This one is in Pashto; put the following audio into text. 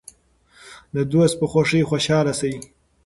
د دوست په خوښۍ خوشحاله شئ.